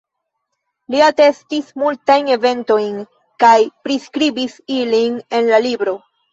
Li atestis multajn eventojn kaj priskribis ilin en la libro.